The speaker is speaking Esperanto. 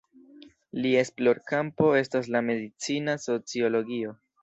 Lia esplorkampo estas la medicina sociologio.